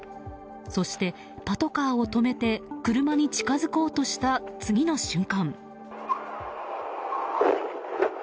そして、パトカーを止めて車に近づこうとした次の瞬間。